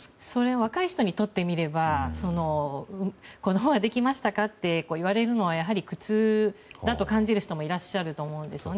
若い人にとってみれば子供はできましたかって言われるのはやはり苦痛だと感じる方もいらっしゃると思うんですね。